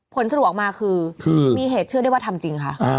ผลสรุปออกมาคือมีเหตุเชื่อได้ว่าทำจริงค่ะ